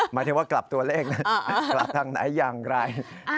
หมายถึงว่ากลับตัวเลขนะกลับทางไหนอย่างไร